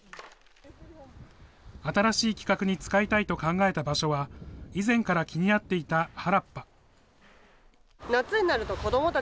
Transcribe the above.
新しい企画に使いたいと考えた場所は、以前から気になっていた原